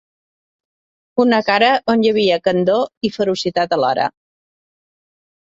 Una cara on hi havia candor i ferocitat alhora